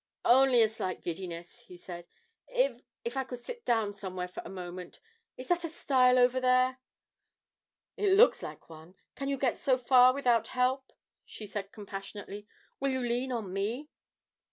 'Only a slight giddiness,' he said; 'if if I could sit down somewhere for a moment is that a stile over there?' 'It looks like one. Can you get so far without help?' she said compassionately. 'Will you lean on me?'